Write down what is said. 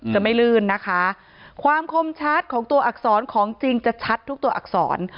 จะไม่ลื่นนะคะความคมชัดของตัวอักษรของจริงจะชัดทุกตัวอักษร